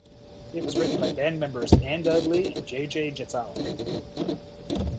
It was written by band members Anne Dudley and J. J. Jeczalik.